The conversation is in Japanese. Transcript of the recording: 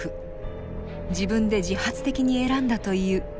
自分で自発的に選んだという自負。